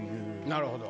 なるほど。